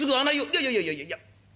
「いやいやいやいやいや！